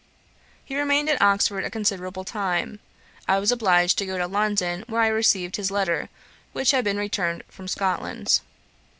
He remained at Oxford a considerable time; I was obliged to go to London, where I received his letter, which had been returned from Scotland.